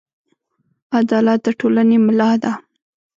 عدالت د ټولنې ملا ده.